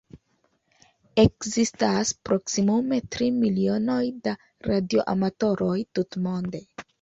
Ekzistas proksimume tri milionoj da radioamatoroj tutmonde.